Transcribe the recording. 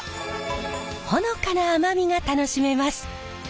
ほのかな甘みが楽しめます。